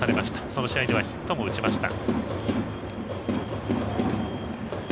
その試合ではヒットも打ちました。